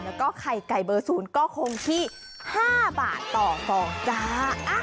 แล้วก็ไข่ไก่เบอร์๐ก็คงที่๕บาทต่อฟองจ้า